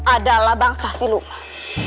adalah bangsa siluman